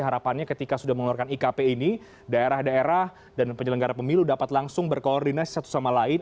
harapannya ketika sudah mengeluarkan ikp ini daerah daerah dan penyelenggara pemilu dapat langsung berkoordinasi satu sama lain